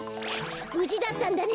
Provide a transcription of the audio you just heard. ぶじだったんだね！